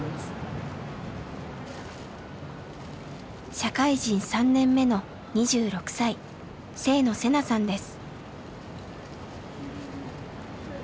社会人３年目の２６歳制野世菜さんです。